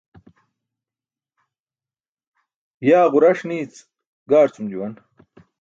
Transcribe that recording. Yaa ġuraṣ niic gaarcum juwan